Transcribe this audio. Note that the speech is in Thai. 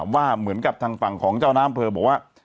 ว่าเหมือนกับทางฝั่งของเจ้าน้ำเผลอบอกว่า